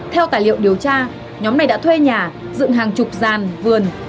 theo tài liệu điều tra nhóm này đã thuê nhà dựng hàng chục gian vườn